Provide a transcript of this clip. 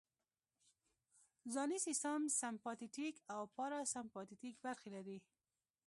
ځانی سیستم سمپاتیتیک او پاراسمپاتیتیک برخې لري